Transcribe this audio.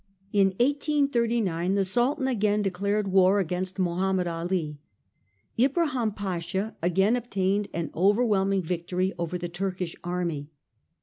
In 1839 the Sultan again de clared war against Mohammed Ali. Ibrahim Pasha again obtained an overwhelming victory over the Turkish army.